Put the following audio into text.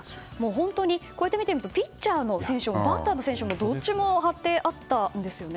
本当にこうやってみてみるとピッチャーの選手もバッターの選手もどっちも貼ってあったんですよね。